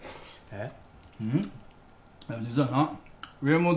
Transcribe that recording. えっ？